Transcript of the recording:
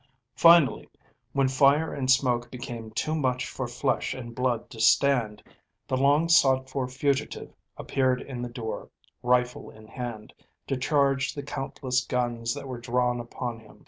Finally, when fire and smoke became too much for flesh and blood to stand, the long sought for fugitive appeared in the door, rifle in hand, to charge the countless guns that were drawn upon him.